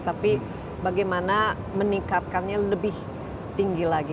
tapi bagaimana meningkatkannya lebih tinggi lagi